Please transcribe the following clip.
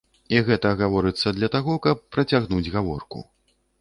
І гэта гаворыцца для таго, каб працягнуць гаворку.